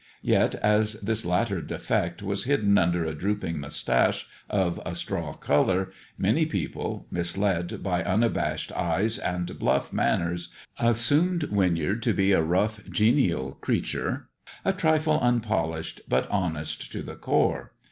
Yet as this latter defect was hidden under a drooping moustache of a straw colour, many people, misled by unabashed eyes and bluff manners, assumed Winyard to be a rough, genial creature, a trifle unpolished, but honest to the core.